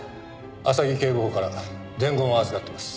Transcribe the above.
浅木警部補から伝言を預かってます。